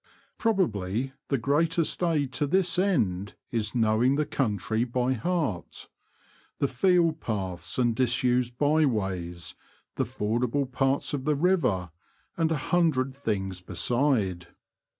Probably the greatest aid to this end is knowing the country by heart ; the field paths and disused bye ways, the fordable parts of the river, and a hundred things beside.